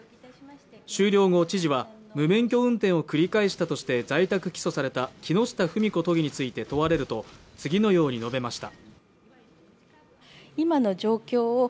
終了後、知事は無免許運転を繰り返したとして在宅起訴された木下富美子都議について問われると、次のように述べました。